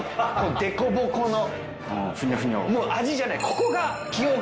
もう味じゃない。